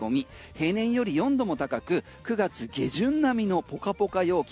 平年より４度も高く９月下旬並みのポカポカ陽気。